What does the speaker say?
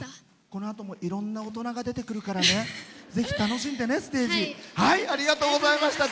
このあともいろんな大人が出てくるからぜひ楽しんでね、ステージ。